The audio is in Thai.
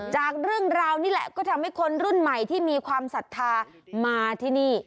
จากเรื่องราวนี่แหละก็ทำให้คนรุ่นใหม่ที่มีความศรัทธามาที่นี่